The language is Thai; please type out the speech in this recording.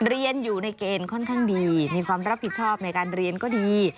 เรียนอยู่ในเกณฑ์ค่อนข้างดีมีความรับผิดชอบในการเรียนก็ดี